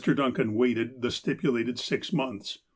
Duncan waited the stipulated six months.